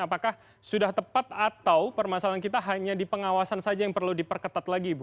apakah sudah tepat atau permasalahan kita hanya di pengawasan saja yang perlu diperketat lagi bu